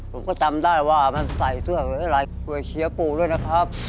ผมก็จำได้ว่ามันใส่เสื้ออะไรเพื่อเชียบปลูกด้วยนะครับ